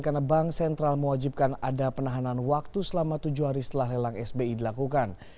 karena bank sentral mewajibkan ada penahanan waktu selama tujuh hari setelah lelang sbi dilakukan